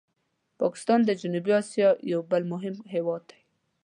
پاکستان د جنوبي آسیا یو بل مهم هېواد دی.